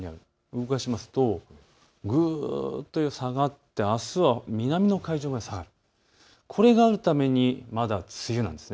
動かしますとぐっと下がってあすは南の海上まで下がる、これがあるためにまだ梅雨なんです。